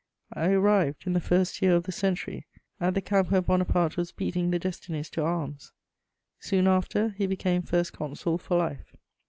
I arrived, in the first year of the century, at the camp where Bonaparte was beating the destinies to arms: soon after, he became First Consul for life.